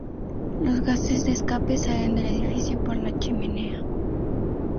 Los gases de escape salen del edificio por la chimenea.